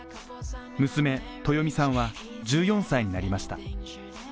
娘・鳴響美さんは１４歳になりました。